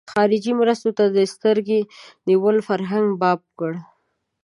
خارجي مرستو ته د سترګو نیولو فرهنګ باب کړ.